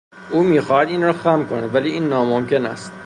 او میخواهد این را خم کند ولی این ناممکن است.